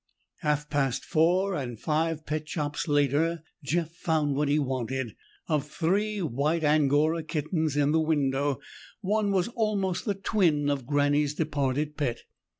Half past four, and five pet shops later, Jeff found what he wanted. Of three white Angora kittens in the window, one was almost the twin of Granny's departed pet.